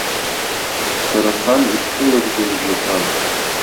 Сара сан исхьылыгӡаз жәақәан.